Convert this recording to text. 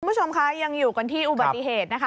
คุณผู้ชมคะยังอยู่กันที่อุบัติเหตุนะคะ